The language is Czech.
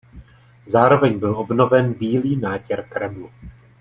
Zároveň byl obnoven bílý nátěr kremlu.